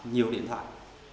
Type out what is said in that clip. nhiều điện thoại